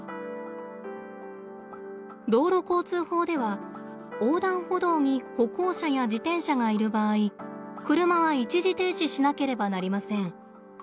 道路交通法では横断歩道に歩行者や自転車がいる場合車は一時停止しなければなりません。